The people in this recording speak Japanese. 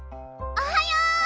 おはよう。